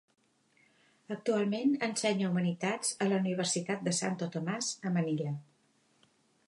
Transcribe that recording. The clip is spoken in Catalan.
Actualment ensenya humanitats a la Universitat de Santo Tomas a Manila.